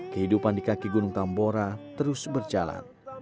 kehidupan di kaki gunung tambora terus berjalan